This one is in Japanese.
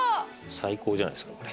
最高じゃないですかこれ。